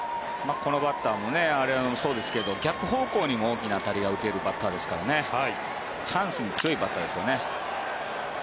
このバッターもアレナドもそうですけど逆方向にも大きな当たりが打てるバッターですからチャンスに強いバッターですよね。